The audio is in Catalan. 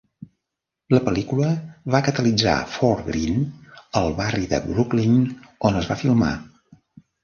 La pel·lícula va catalitzar Fort Greene, el barri de Brooklyn on es va filmar.